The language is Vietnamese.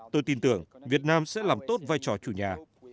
tôi tin tưởng việt nam sẽ làm tốt vai trò chủ nhà